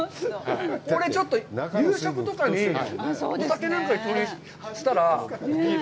これちょっと夕食とかに、お酒なんかのつまみにしたら。